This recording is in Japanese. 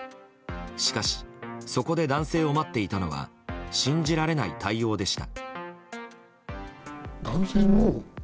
しかし、そこで男性を待っていたのは信じられない対応でした。